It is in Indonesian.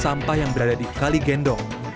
sampah yang berada di kali gendong